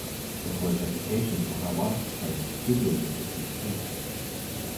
McCoy's reputation as a harmonica player and studio musician increased.